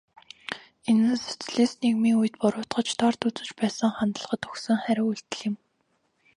Энэ нь социалист нийгмийн үед буруутгаж, дорд үзэж байсан хандлагад өгсөн хариу үйлдэл юм.